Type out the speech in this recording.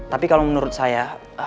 tapi kalau menurut saya